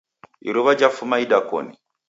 Iruwa jawefuma idakoni